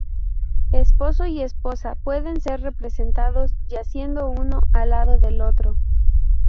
Esposo y esposa pueden ser representados yaciendo uno al lado del otro.